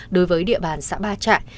đối với địa bàn xã ba trại